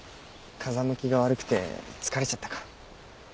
風向きが悪くて疲れちゃったか。